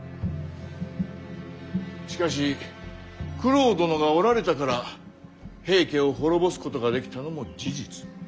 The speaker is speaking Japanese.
しかし九郎殿がおられたから平家を滅ぼすことができたのも事実。